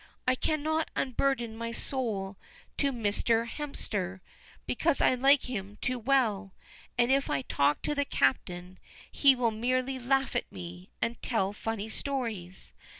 I cannot unburden my soul to Mr. Hemster, because I like him too well; and if I talk to the captain he will merely laugh at me, and tell funny stories.